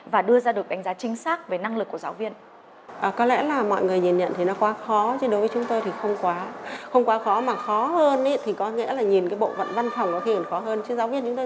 và đưa ra được đánh giá chính xác về năng lực của giáo viên